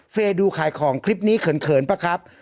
เฟย์ดูขายของคลิปนี้เขินป่ะครับ